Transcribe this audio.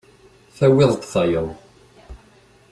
Tawiḍ-d tayeḍ.